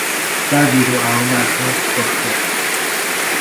Táviró-állomása Kassa.